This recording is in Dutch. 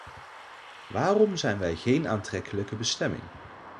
Waarom zijn wij geen aantrekkelijke bestemming?